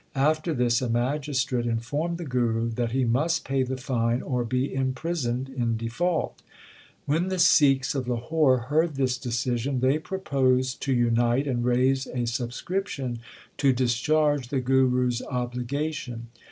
After this a magistrate informed the Guru that he must pay the fine or be imprisoned in default. When the Sikhs of Lahore heard this decision, they proposed to unite and raise a sub scription to discharge the Guru s obligation.